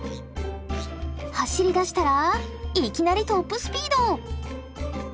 走りだしたらいきなりトップスピード！